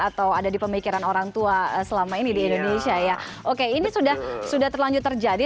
atau ada di pemikiran orang tua selama ini di indonesia ya oke ini sudah sudah terlanjur terjadi